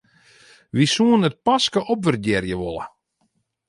Wy soenen it paske opwurdearje wolle.